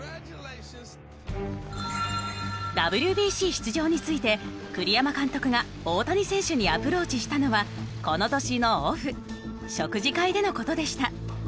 ＷＢＣ出場について栗山監督が大谷選手にアプローチしたのはこの年のオフ食事会での事でした。